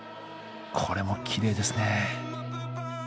これもきれいですね。